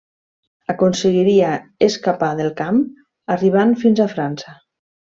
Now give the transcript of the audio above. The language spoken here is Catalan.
Aconseguiria escapar del camp, arribant fins a França.